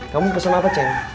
kamu pesen apa ceng